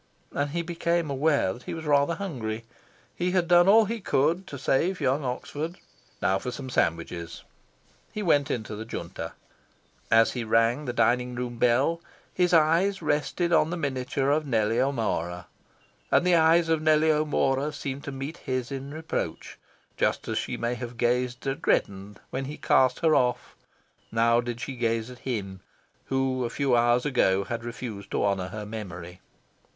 And he became aware that he was rather hungry. He had done all he could to save young Oxford. Now for some sandwiches! He went into the Junta. As he rang the dining room bell, his eyes rested on the miniature of Nellie O'Mora. And the eyes of Nellie O'Mora seemed to meet his in reproach. Just as she may have gazed at Greddon when he cast her off, so now did she gaze at him who a few hours ago had refused to honour her memory.